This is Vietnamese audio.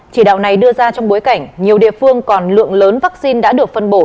chỉ đạo này đưa ra trong bối cảnh nhiều địa phương còn lượng lớn vaccine đã được phân bổ